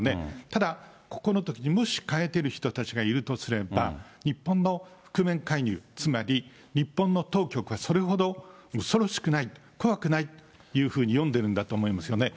ただここのときにもし買えてる人たちがいるとすれば、日本の覆面介入、つまり日本の当局はそれほど恐ろしくない、怖くないというふうに読んでるんだと思いますよね。